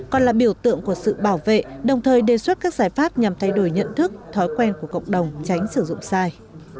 còn là biểu tượng của sự bảo vệ đồng thời đề xuất các giải pháp nhằm thay đổi nhận thức thói quen của cộng đồng tránh sử dụng sai